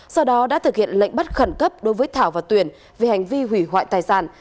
sau đó đã thực hiện lệnh bắt khẩn cấp đối với thảo và tuyển vì hành vi hủy hoại tài sản